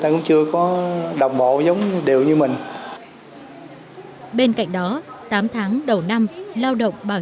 ta cũng chưa có đồng bộ giống đều như mình bên cạnh đó tám tháng đầu năm lao động bảo